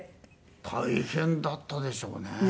大変だったでしょうね。